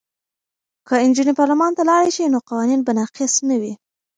که نجونې پارلمان ته لاړې شي نو قوانین به ناقص نه وي.